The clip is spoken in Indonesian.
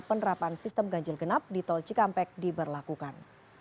penerapan sistem ganjil genap di tol cikampek diberlakukan